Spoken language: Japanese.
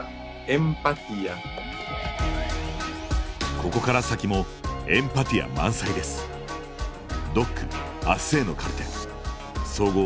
ここから先もエンパティア満載です！